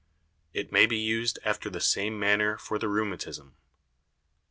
It may be used after the same manner for the Rheumatism.